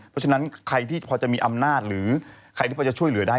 เพราะฉะนั้นใครที่พอจะมีอำนาจหรือใครที่พอจะช่วยเหลือได้